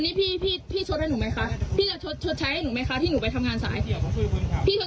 หนูจ่ายเงินเข้าไปแล้วค่ะ